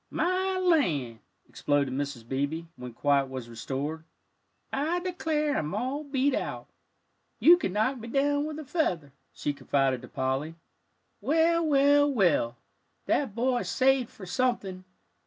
"My land!" exploded Mrs. Beebe, when quiet was restored. "I declare, I'm all beat out. You could knock me down with a feather," she confided to Polly. "Well, well, well, that boy's saved for something.